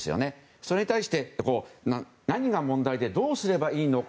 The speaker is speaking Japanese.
それに対して、何が問題でどうすればいいのか